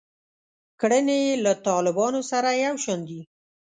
کړنې یې له طالبانو سره یو شان دي.